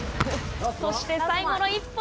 そして最後の１本。